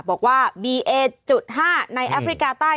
บอกว่าบีเอจุด๕ในแอฟริกาใต้